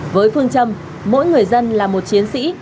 với phương châm mỗi người dân là một chiến sĩ